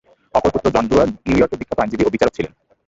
অপর পুত্র John Dwyer নিউ ইয়র্কের বিখ্যাত আইনজীবী ও বিচারক ছিলেন।